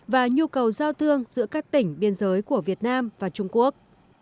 và nhu cầu giao thương giữa các tỉnh biên giới của việt nam và trung quốc